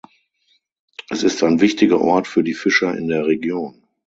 Es ist ein wichtiger Ort für die Fischer in der Region.